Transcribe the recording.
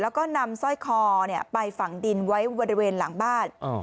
แล้วก็นำสร้อยคอไปฝังดินไว้บริเวณหลังบ้าน